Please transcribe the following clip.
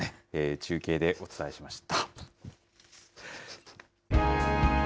中継でお伝えしました。